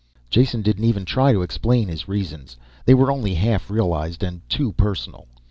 Jason didn't even try to explain his reasons, they were only half realized and too personal.